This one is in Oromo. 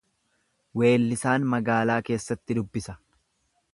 Weellisaan magaalaa keessatti dubbisa.